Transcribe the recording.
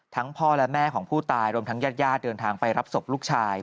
พ่อและแม่ของผู้ตายรวมทั้งญาติญาติเดินทางไปรับศพลูกชาย